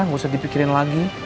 gak usah dipikirin lagi